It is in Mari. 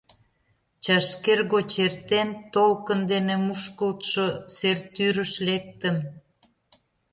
Чашкер гоч эртен, толкын дене мушкылтшо сер тӱрыш лектым.